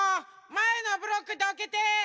まえのブロックどけて！